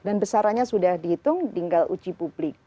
dan besarannya sudah dihitung tinggal uji publik